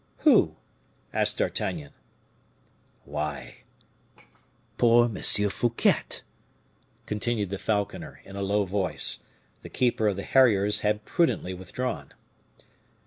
"Who?" asked D'Artagnan. "Why, poor M. Fouquet," continued the falconer, in a low voice. The keeper of the harriers had prudently withdrawn.